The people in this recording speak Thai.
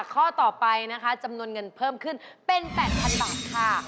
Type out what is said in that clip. ข้อต่อไปนะคะจำนวนเงินเพิ่มขึ้นเป็น๘๐๐๐บาทค่ะ